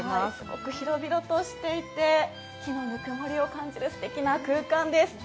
広々としていて、木のぬくもりを感じるすてきな空間です。